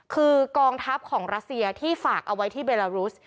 คือกองทัพของรัสเซียที่ฝากเอาไว้ที่เบลารุส